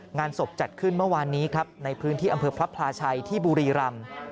งานศพจัดขึ้นเมื่อวานนี้ครับในพื้นที่อำเภอพระพลาชัยที่บุรีรำ